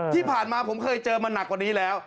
ที่ผ่านมาผมเคยเจอมาหนักกว่านี้แล้ว